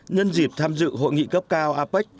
nhân dịp tham dự hội nghị cấp cao apec